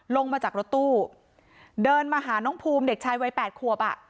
ลงมาจากรถตู้เดินมาหาน้องภูมิเด็กชายวัย๘ขวบอ่ะ